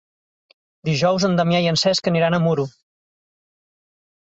Dijous en Damià i en Cesc aniran a Muro.